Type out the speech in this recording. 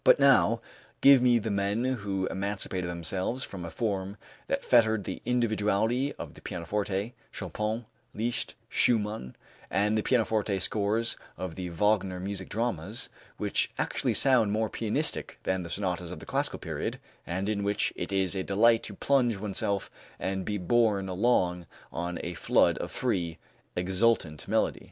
But now give me the men who emancipated themselves from a form that fettered the individuality of the pianoforte, Chopin, Liszt, Schumann, and the pianoforte scores of the Wagner music dramas, which actually sound more pianistic than the sonatas of the classical period and in which it is a delight to plunge oneself and be borne along on a flood of free, exultant melody.